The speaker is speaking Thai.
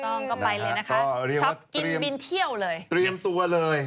ถูกต้องก็ไปเลยนะคะช็อปกินบินเที่ยวเลย